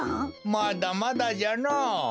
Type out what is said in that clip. まだまだじゃのぉ。